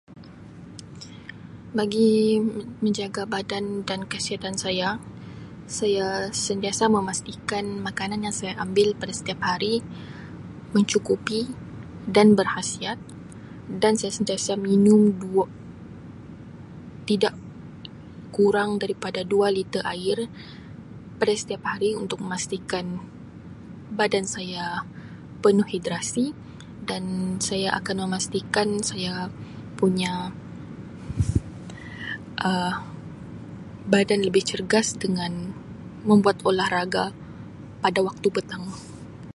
Bagi menjaga badan dan kesihatan saya, saya sentiasa memastikan makanan yang saya ambil pada setiap hari mencukupi dan berkhasiat dan saya sentiasa minum dua tidak kurang daripada dua liter air pada setiap hari untuk memastikan badan saya penuh hidrasi dan saya akan memastikan saya punya Um badan lebih cergas dengan membuat olahraga pada waktu petang.